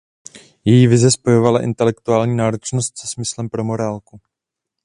Její vize spojovala intelektuální náročnost se smyslem pro morálku.